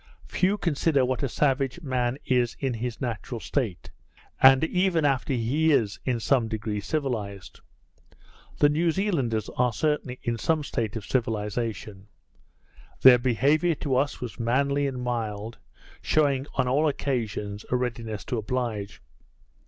Few consider what a savage man is in his natural state, and even after he is, in some degree, civilized. The New Zealanders are certainly in some state of civilization; their behaviour to us was manly and mild, shewing, on all occasions, a readiness to oblige.